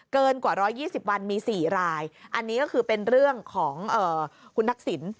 เกินกว่า๑๒๐วันมี๔รายอันนี้ก็คือเป็นเรื่องของคุณทักษิณ